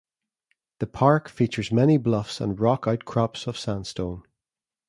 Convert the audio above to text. The park features many bluffs and rock outcrops of sandstone.